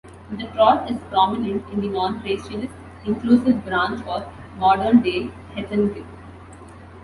The Troth is prominent in the non-racialist, inclusive branch of modern-day heathenry.